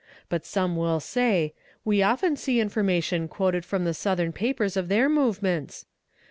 But some will say: 'We often see information quoted from the Southern papers of their movements.'